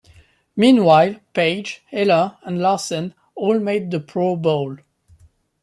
Meanwhile, Page, Eller and Larsen all made the Pro Bowl.